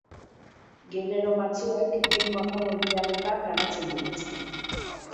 Genero batzuek bi morfologia mota garatzen dituzte.